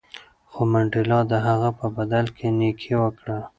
خو منډېلا د هغه په بدل کې نېکي وکړه.